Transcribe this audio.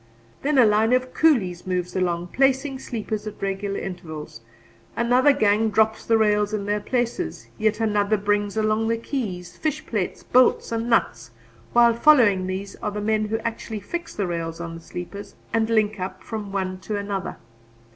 Then a line of coolies moves along, placing sleepers at regular intervals; another gang drops the rails in their places; yet another brings along the keys, fishplates, bolts and nuts while following these are the men who actually fix the rails on the sleepers and link up from one to another.